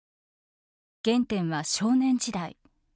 原点は少年時代。